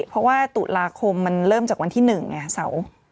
เพราะว่าตุลาคมมันเริ่มจากวันที่๑ไงเสาร์